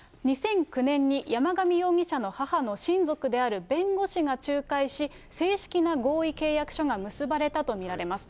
２００９年に山上容疑者の母の親族である弁護士が仲介し、正式な合意契約書が結ばれたと見られます。